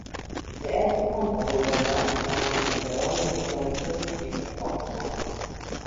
Der erste Pampa Bulldog war entstanden und Perón hielt seine Frist wie versprochen ein.